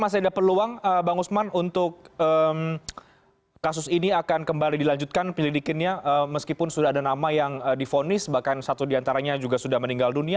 masih ada peluang bang usman untuk kasus ini akan kembali dilanjutkan penyelidikannya meskipun sudah ada nama yang difonis bahkan satu diantaranya juga sudah meninggal dunia